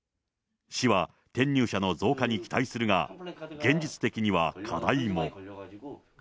市は、転入者の増加に期待するが、現実的には課題も。